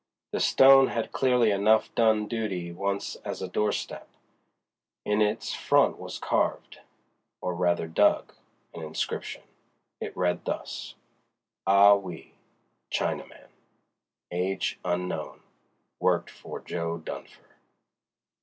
The stone had clearly enough done duty once as a doorstep. In its front was carved, or rather dug, an inscription. It read thus: AH WEE—CHINAMAN. Age unknown. Worked for Jo. Dunfer.